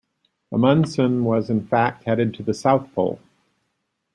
Amundsen was, in fact, headed to the South Pole.